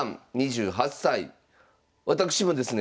私もですね